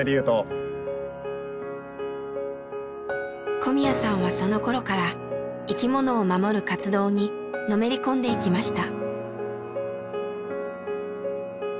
小宮さんはそのころから生きものを守る活動にのめり込んでいきました。